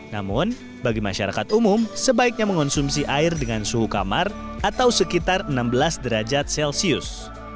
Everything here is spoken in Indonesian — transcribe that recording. namun bagi masyarakat umum sebaiknya mengonsumsi air dengan suhu kamar atau sekitar enam belas derajat celcius